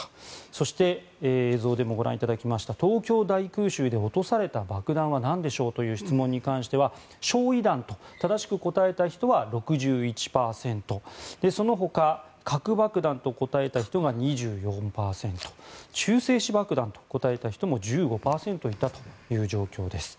そして、映像でもご覧いただきました東京大空襲で落とされた爆弾はなんでしょうという質問に関しては焼い弾と正しく答えた人は６１％そのほか核爆弾と答えた人が２４％中性子爆弾と答えた人も１５％いたという状況です。